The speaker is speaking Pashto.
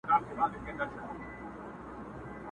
د احمدشاه له جګو غرونو سره لوبي کوي.!